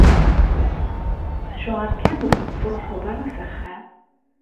Acuɣer kan ur tettṛuḥuḍ ara s axxam?